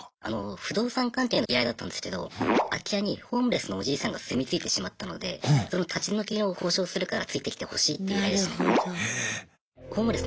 不動産関係の依頼だったんですけど空き家にホームレスのおじいさんが住み着いてしまったのでその立ち退きの交渉するからついてきてほしいっていう依頼でしたね。